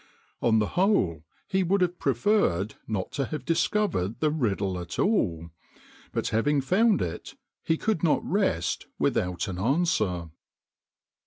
On the whole he would have preferred not to have dis covered the riddle at all; but having found it, he could not rest without an answer.